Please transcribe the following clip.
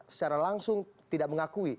secara langsung tidak mengakui